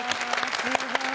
すごい。